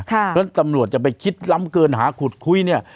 และตำรวจจะไปคิดล้ำเกินหาขุดคุ้ยเนี่ย